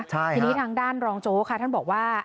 ทีนี้ทางด้านรองโจ๊กค่ะท่านบอกว่า